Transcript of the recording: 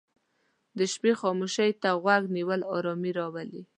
د شپې خاموشي ته غوږ نیول آرامي راولي.